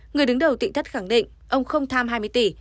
người đứng đầu tị thất khẳng định ông không tham hai mươi tỷ